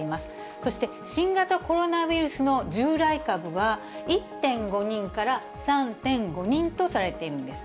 そして、新型コロナウイルスの従来株は１．５人から３．５人とされているんです。